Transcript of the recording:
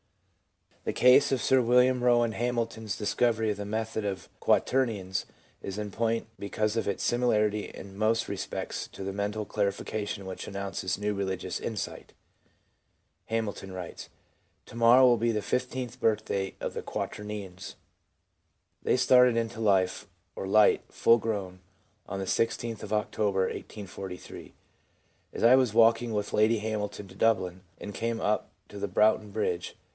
The case of Sir William Rowan Hamilton's discovery of the method of ■ Quaternions ' is in point because of its similarity in most respects to the mental clarification which announces new religious insight. Hamilton writes :' To morrow will be the fifteenth birthday of the " Quaternions. " They started into life, or light, full grown, on the 1 6th of October 1843, as I was walking with Lady Hamilton to Dublin, and came up to Broughton Bridge.